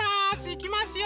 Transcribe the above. いきますよ。